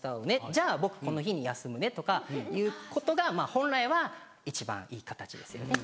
「じゃあ僕この日に休むね」とかいうことが本来は一番いい形ですよね。